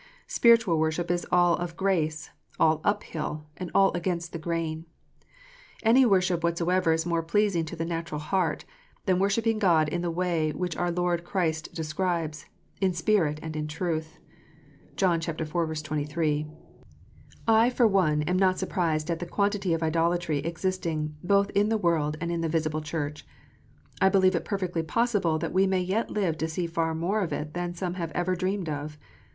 Spiritual worship is all of grace, all uphill, and all against the grain. Any worship whatsoever is more pleasing to the natural heart, than worship ping God in the way which our Lord Christ describes, "in spirit and in truth." (John iv. 23.) I, for one, am not surprised at the quantity of idolatry exist ing, both in the world and in the visible Church. I believe it perfectly possible that we may yet live to see far more of it than some have ever dreamed of.